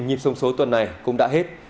nhịp sông số tuần này cũng đã hết